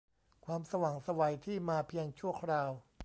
ความสว่างไสวที่มาเพียงชั่วคราว